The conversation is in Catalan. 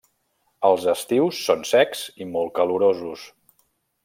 Els estius són secs i molt calorosos.